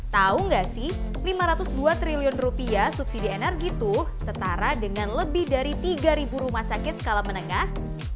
tahu nggak sih lima ratus dua triliun rupiah subsidi energi tuh setara dengan lebih dari tiga rumah sakit skala menengah